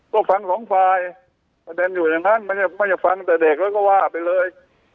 ก็ฟังสองฝ่ายประเด็นอยู่อย่างนั้นไม่ใช่ฟังแต่เด็กแล้วก็ว่าไปเลย